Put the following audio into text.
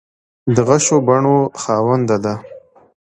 د غشو بڼو خاونده ده